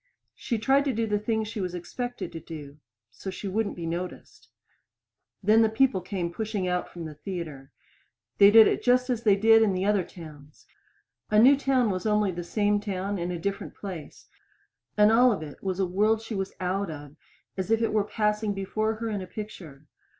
She tried to do the thing she was expected to do so she wouldn't be noticed. Then the people came pushing out from the theater. They did it just as they did it in the other towns. A new town was only the same town in a different place; and all of it was a world she was as out of as if it were passing before her in a picture.